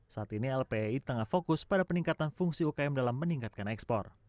saat ini lpi tengah fokus pada peningkatan fungsi ukm dalam meningkatkan ekspor